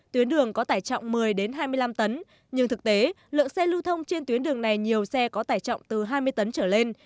tuyến đường có tải trọng một mươi hai mươi năm tấn nhưng thực tế lượng xe lưu thông trên tuyến đường này nhiều xe có tải trọng từ hai mươi tấn trở lên